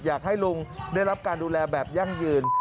อยากให้ลุงได้รับการดูแลแบบยั่งยืน